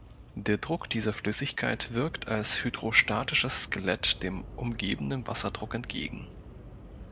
Der Druck dieser Flüssigkeit wirkt als hydrostatisches Skelett dem umgebenden Wasserdruck entgegen.